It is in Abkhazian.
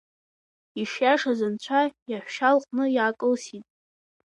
Ишиашаз анцәа иаҳәшьа лҟны иаакылсит.